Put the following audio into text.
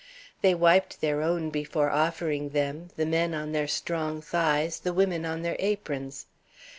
They wiped their own before offering them the men on their strong thighs, the women on their aprons.